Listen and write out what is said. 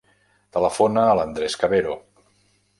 Telefona a l'Andrés Cavero.